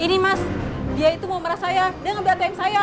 ini mas dia itu mau marah saya dia ngambil atm saya